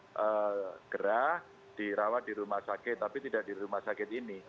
tidak gerah dirawat di rumah sakit tapi tidak di rumah sakit ini